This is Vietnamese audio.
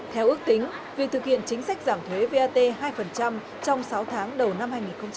theo ước tính việc thực hiện chính sách giảm thuế vat hai trong sáu tháng đầu năm hai nghìn hai mươi